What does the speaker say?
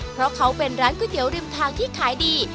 เพราะเขาเป็นร้านก๋วยเตี๋ยวริมทางที่ขายดี